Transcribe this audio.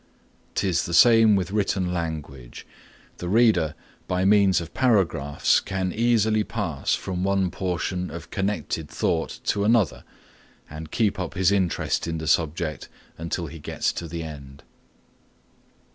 'Tis the same with written language, the reader by means of paragraphs can easily pass from one portion of connected thought to another and keep up his interest in the subject until he gets to the end.